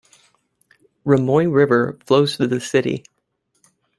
Rumoi River flows through the city.